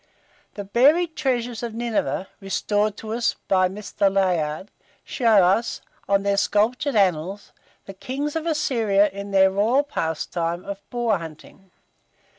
The buried treasures of Nineveh, restored to us by Mr. Layard, show us, on their sculptured annals, the kings of Assyria in their royal pastime of boar hunting.